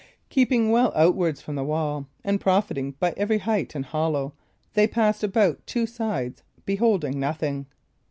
Keeping well outwards from the wall, and profiting by every height and hollow, they passed about two sides, beholding nothing.